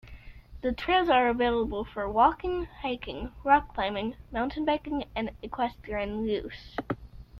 The trails are available for walking, hiking, rock climbing, mountain biking and equestrian use.